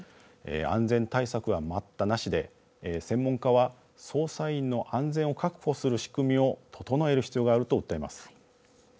安全対策は待ったなしで専門家は操作員の安全を確保する仕組みを整える必要があると訴えます。